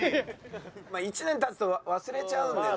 １年経つと忘れちゃうんでね。